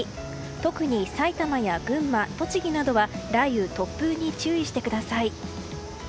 特に埼玉や群馬、栃木などは雷雨、突風に注意してください。